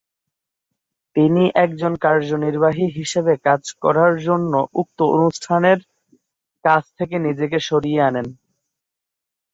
তিনি একজন কার্যনির্বাহী হিসাবে কাজ করার জন্য উক্ত অনুষ্ঠানের কাজ থেকে নিজেকে সরিয়ে আনেন।